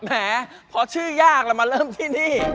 แหมพอชื่อยากเรามาเริ่มที่นี่